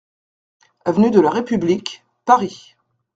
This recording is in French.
AV DE LA REPUBLIQUE, Paris